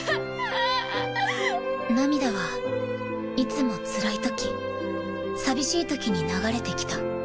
涙はいつもつらいとき寂しいときに流れてきた。